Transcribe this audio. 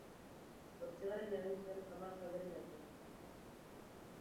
Zortzigarren egin zuen hamar talderen artean.